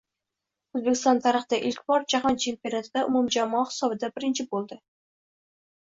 O‘zbekiston tarixda ilk bor jahon chempionatida umumjamoa hisobida birinchi bo‘lding